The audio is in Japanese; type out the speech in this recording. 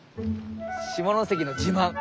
下関の自慢！